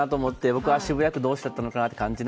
僕は渋谷区どうしちゃったのかなと。